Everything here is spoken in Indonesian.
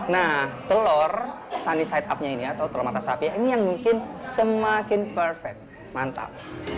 nah telur sunny side up nya ini atau telur mata sapi ini yang mungkin semakin perfed mantap